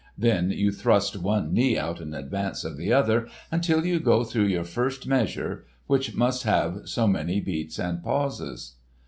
Then you thrust one knee out in advance of the other until you go through your first measure, which must have so many beats and pauses."